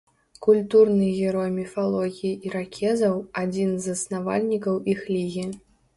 Культурны герой міфалогіі іракезаў, адзін з заснавальнікаў іх лігі.